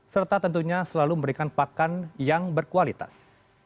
serta tentunya selalu memberikan pakan yang berkualitas